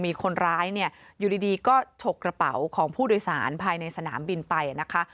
มีคนร้ายเนี่ยอยู่ดีก็ฉกกระเป๋าของผู้โดยสารภายในสนามบินไปนะคะ